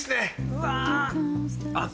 うわ。